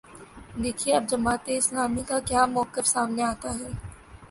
دیکھیے اب جماعت اسلامی کا کیا موقف سامنے آتا ہے۔